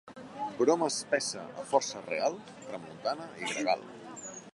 Broma espessa a força real, tramuntana i gregal.